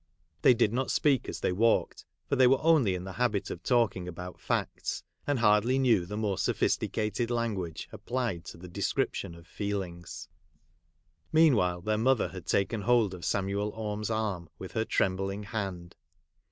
They did not speak as they walked, for they were only in the habit of talking about facts, and hardly knew the more sophisticated language applied to the description of feelings. Meanwhile their mother had taken hold of Samuel Orme's arm with her trembling hand.